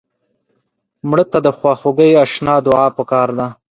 مړه ته د خواخوږۍ اشنا دعا پکار ده